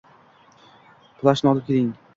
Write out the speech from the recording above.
Plashni olib oling